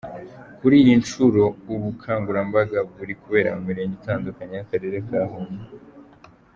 Kuri iyi nshuro, ubu bukangurambaga buri kubera mu mirenge itandukanye y’akarere ka Huye.